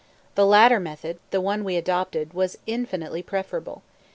The latter method the one we adopted was infinitely preferable.